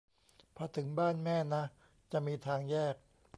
พอถึงบ้านแม่นะจะมีทางแยก